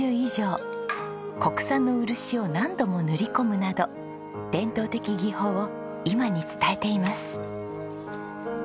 国産の漆を何度も塗り込むなど伝統的技法を今に伝えています。